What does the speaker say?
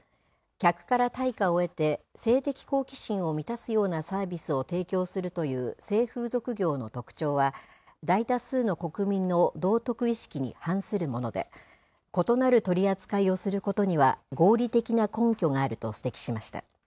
客から対価を得て性的好奇心を満たすようなサービスを提供するという性風俗業の特徴は、大多数の国民の道徳意識に反するもので、異なる取り扱いをすることには合理的な根拠があると指摘しました。